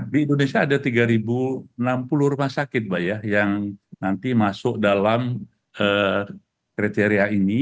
di indonesia ada tiga enam puluh rumah sakit yang nanti masuk dalam kriteria ini